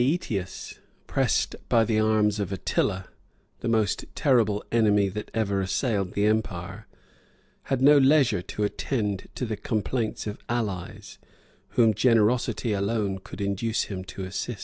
] But Ætius, pressed by the arms of Attila, the most terrible enemy that ever assailed the empire, had no leisure to attend to the complaints of allies, whom generosity alone could induce him to assist.